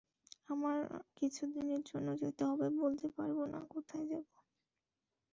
আমার কিছুদিনের জন্য যেতে হবে বলতে পারব না কোথায় যাব।